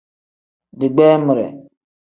Digbeemire.